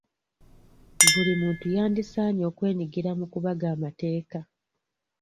Buli muntu yandisaanye okwenyigira mu kubaga amateeka